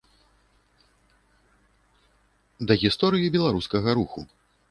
Да гісторыі беларускага руху.